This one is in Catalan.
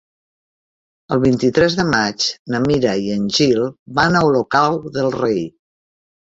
El vint-i-tres de maig na Mira i en Gil van a Olocau del Rei.